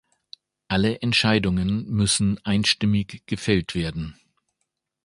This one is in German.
Alle Entscheidungen müssen einstimmig gefällt werden.